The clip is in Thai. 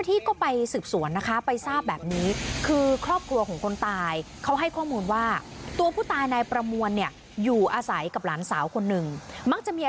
ที่นี้เมื่อกว่าเจ้าหน้าที่ไปสืบสวนไปรู้ร่วมแบบนี้